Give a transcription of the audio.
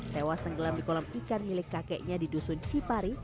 tewas tenggelam di kolam ikan milik kakeknya di dusun cipari